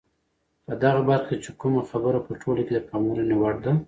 په دغه برخه کې چې کومه خبره په ټوله کې د پاملرنې وړ ده،